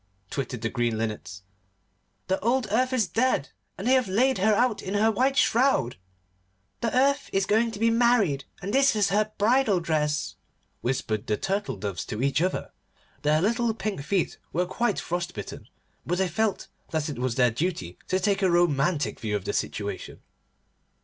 twittered the green Linnets, 'the old Earth is dead and they have laid her out in her white shroud.' 'The Earth is going to be married, and this is her bridal dress,' whispered the Turtle doves to each other. Their little pink feet were quite frost bitten, but they felt that it was their duty to take a romantic view of the situation.